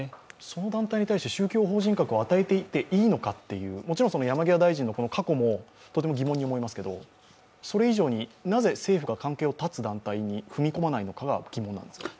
その団体に対して宗教法人格を与えていていいのかというもちろん、山際大臣の過去もとても疑問に思いますけどそれ以上に、なぜ政府が関係を断つ団体に踏み込まないのか疑問なんですが。